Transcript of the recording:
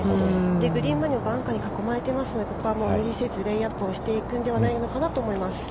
グリーン周りもバンカーに囲まれていますので、ここは、レイアップをしていくのではないかなと思います。